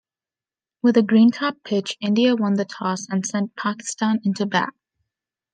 With a greentop pitch, India won the toss and sent Pakistan into bat.